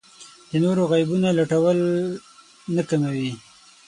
د نورو عیبونو لټول نه کموي.